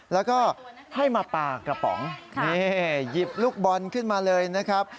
แล้วก็ให้มาปลากระป๋องนี่หยิบลูกบอลขึ้นมาเลยนะครับ